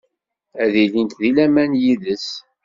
Ad ilint di laman yid-s.